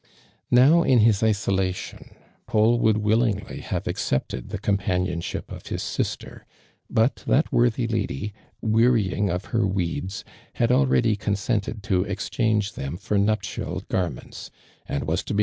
Now. in his isolation, Paul would willingly have accepted the companion ship of his sister, but that worthy lady, weary ing of her weeds, had already consented to exchange thein for nuptial garments, and was to be ma!